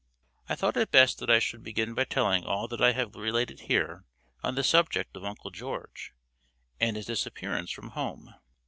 I thought it best that I should begin by telling all that I have related here on the subject of Uncle George, and his disappearance from home.